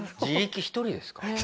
自力１人ですか？